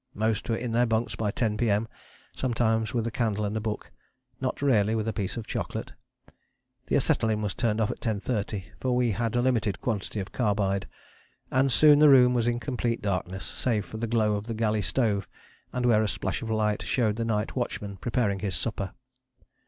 Most were in their bunks by 10 P.M., sometimes with a candle and a book, not rarely with a piece of chocolate. The acetylene was turned off at 10.30, for we had a limited quantity of carbide, and soon the room was in complete darkness, save for the glow of the galley stove and where a splash of light showed the night watchman preparing his supper.